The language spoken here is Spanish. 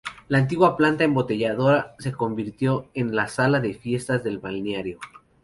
La antigua planta embotelladora se convirtió en la sala de fiestas del balneario.